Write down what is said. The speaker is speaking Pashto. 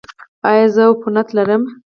ایا زه عفونت لرم؟